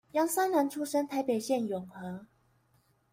楊三郎出生於台北縣永和